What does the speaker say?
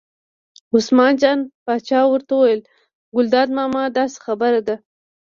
عثمان جان پاچا ورته وویل: ګلداد ماما داسې خبره ده.